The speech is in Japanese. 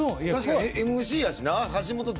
確かにＭＣやしな橋本